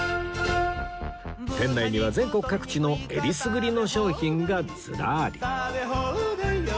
店内には全国各地のえりすぐりの商品がずらり